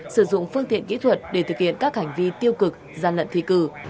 sử dụng phương tiện kỹ thuật để thực hiện các hành vi tiêu cực gian lận thi cử